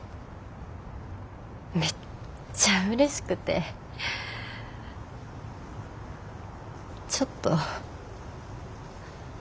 めっちゃうれしくてちょっと。